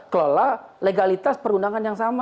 kelola legalitas perundangan yang sama